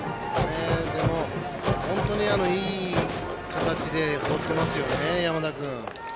でも、本当にいい形で放ってますよね。